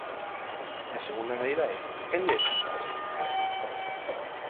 E a segunda medida é: ¿a quen lle detraen cartos?